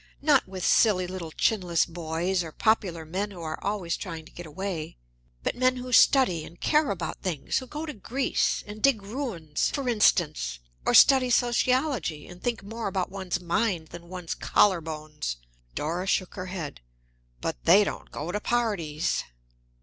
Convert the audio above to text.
"Not with silly little chinless boys or popular men who are always trying to get away, but men who study and care about things who go to Greece and dig ruins, for instance, or study sociology, and think more about one's mind than one's collar bones." Dora shook her head. "But they don't go to parties!"